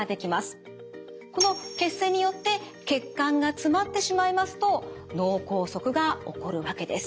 この血栓によって血管が詰まってしまいますと脳梗塞が起こるわけです。